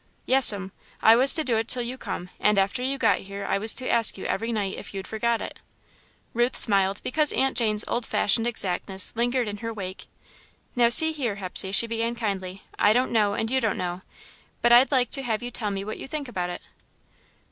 "Yes'm. I was to do it till you come, and after you got here I was to ask you every night if you'd forgot it." Ruth smiled because Aunt Jane's old fashioned exactness lingered in her wake. "Now see here, Hepsey," she began kindly, "I don't know and you don't know, but I'd like to have you tell me what you think about it."